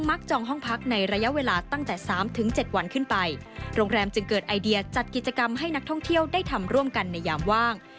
ไอเดียจัดกิจกรรมให้นักท่องเที่ยวได้ทำร่วมกันในยามว่าง